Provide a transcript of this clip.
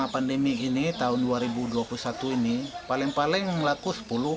pandemi ini tahun dua ribu dua puluh satu ini paling paling laku sepuluh